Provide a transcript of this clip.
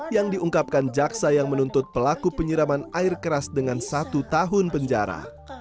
yang diungkapkan jaksa yang menuntut pelaku penyiraman air keras dengan satu tahun penjara